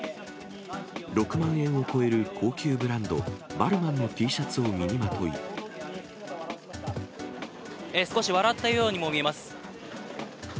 ６万円を超える高級ブランド、少し笑ったようにも見えます。